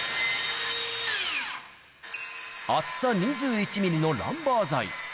厚さ２１ミリのランバー材。